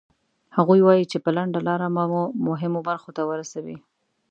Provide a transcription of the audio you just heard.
هغوی وایي چې په لنډه لاره به مو مهمو برخو ته ورسوي.